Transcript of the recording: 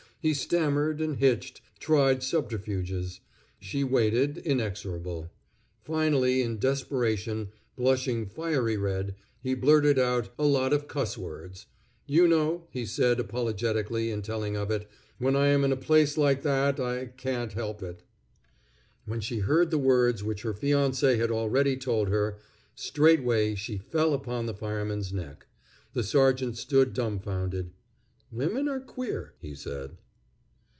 He stammered and hitched tried subterfuges. She waited, inexorable. Finally, in desperation, blushing fiery red, he blurted out "a lot of cuss words." "You know," he said apologetically, in telling of it, "when I am in a place like that I can't help it." When she heard the words which her fiancé had already told her, straightway she fell upon the fireman's neck. The sergeant stood dumfounded. "Women are queer," he said.